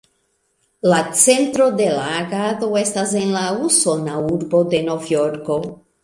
La centro de la agado estas en la usona urbo de Novjorko.